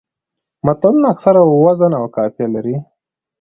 متلونه اکثره وزن او قافیه لري